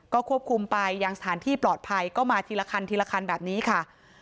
ก็ควบคุมไปยังสถานที่ปลอดภัยก็มาทีละคันทีละคันแบบนี้ค่ะ